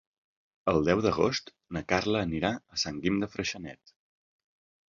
El deu d'agost na Carla anirà a Sant Guim de Freixenet.